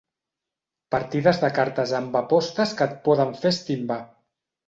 Partides de cartes amb apostes que et poden fer estimbar.